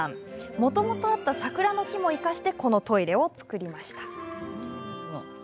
もともとあった桜の木も生かしてこのトイレを作りました。